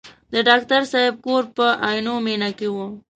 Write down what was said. د ډاکټر صاحب کور په عینومېنه کې و.